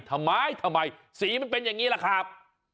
ทำไมสีมันเป็นอย่างนี้แหละครับ